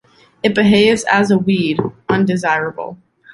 It behaves as a weed, undesirable.